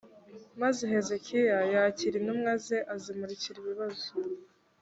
maze hezekiya yakira intumwa ze azimurikira ibibazo